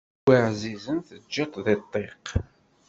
Wi εzizen teǧǧiḍ-t di ṭṭiq